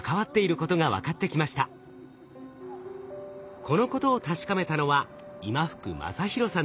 このことを確かめたのは今福理博さんです。